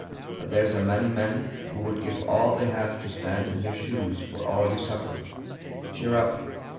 But there's a many men would give all they have to stand in your shoes, for all you suffer. Cheer up!